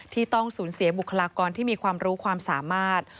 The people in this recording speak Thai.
ต้องสูญเสียบุคลากรที่มีความรู้ความสามารถ